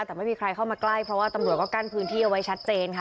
แต่ไม่มีใครเข้ามาใกล้เพราะว่าตำรวจก็กั้นพื้นที่เอาไว้ชัดเจนค่ะ